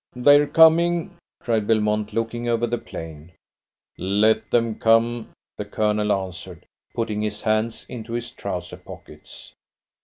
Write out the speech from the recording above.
"They're coming!" cried Belmont, looking over the plain. "Let them come!" the Colonel answered, putting his hands into his trouser pockets.